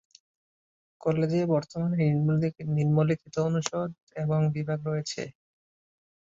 কলেজে বর্তমানে নিম্নলিখিত অনুষদ এবং বিভাগ রয়েছে।